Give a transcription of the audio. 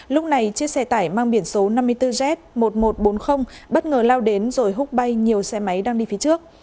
lúc này chiếc xe tải mang biển số năm mươi bốn z một nghìn một trăm bốn mươi bất ngờ lao đến rồi hút bay nhiều xe máy đang đi phía trước